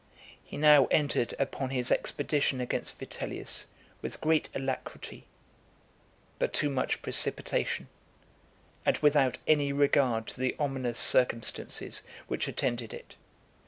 He now entered upon his expedition against Vitellius with great alacrity, but too much precipitation, and without any regard to the ominous circumstances which attended it.